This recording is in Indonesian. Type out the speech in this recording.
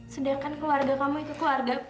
sedangkan keluarga kamu itu keluarga